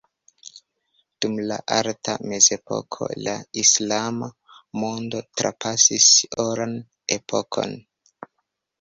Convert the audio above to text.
Dum la Alta Mezepoko, la islama mondo trapasis oran epokon.